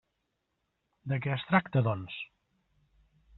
De què es tracta, doncs?